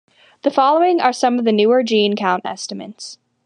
The following are some of the newer gene count estimates.